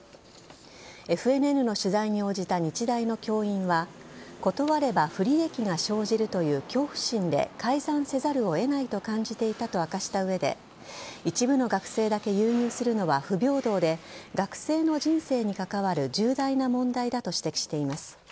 ＦＮＮの取材に応じた日大の教員は断れば不利益が生じるという恐怖心で改ざんせざるを得ないと感じていたと明かした上で一部の学生だけ優遇するのは不平等で学生の人生に関わる重大な問題だと指摘しています。